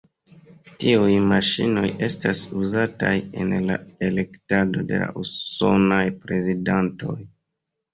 Tiuj maŝinoj estas uzataj en la elektado de la usonaj prezidantoj.